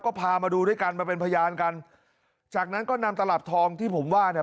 ก็พามาดูด้วยกันมาเป็นพยานกันจากนั้นก็นำตลับทองที่ผมว่าเนี่ย